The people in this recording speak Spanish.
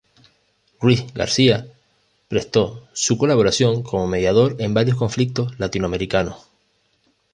Ruíz García prestó su colaboración como mediador en varios conflictos latinoamericanos.